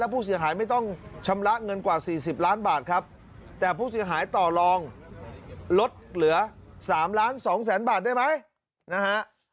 ผู้เสียหายไม่ต้องชำระเงินกว่า๔๐ล้านบาทครับแต่ผู้เสียหายต่อลองลดเหลือ๓ล้าน๒แสนบาทได้ไหมนะฮะ